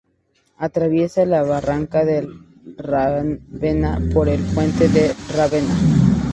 Atraviesa la Barranca del Ravenna por el Puente del Ravenna.